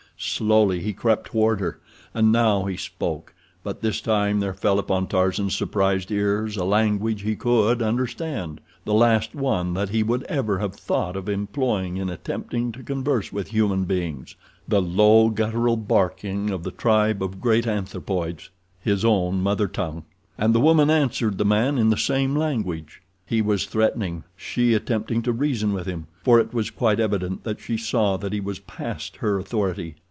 Slowly he crept toward her, and now he spoke; but this time there fell upon Tarzan's surprised ears a language he could understand; the last one that he would ever have thought of employing in attempting to converse with human beings—the low guttural barking of the tribe of great anthropoids—his own mother tongue. And the woman answered the man in the same language. He was threatening—she attempting to reason with him, for it was quite evident that she saw that he was past her authority.